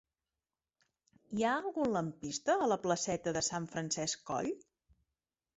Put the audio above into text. Hi ha algun lampista a la placeta de Sant Francesc Coll?